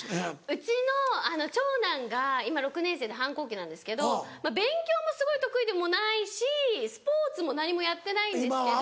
うちの長男が今６年生で反抗期なんですけど勉強もすごい得意でもないしスポーツも何もやってないんですけど。